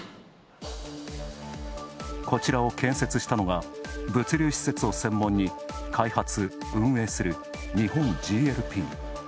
こちらを建設したのが物流施設を専門に、開発・運営する日本ＧＬＰ。